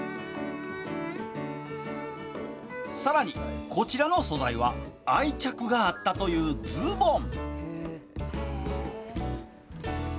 さらにこちらの素材は愛着があったというズボン。